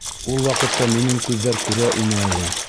Ул ваҡытта минең күҙҙәр күрә ине әле.